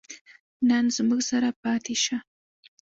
نن زموږ سره پاتې شه